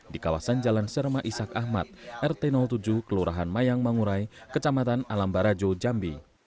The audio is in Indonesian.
di kawasan jalan serema isak ahmad rt tujuh kelurahan mayang mangurai kecamatan alambarajo jambi